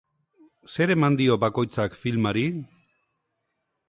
Zer eman dio bakoitzak filmari?